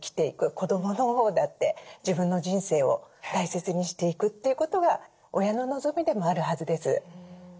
子どものほうだって自分の人生を大切にしていくっていうことが親の望みでもあるはずです。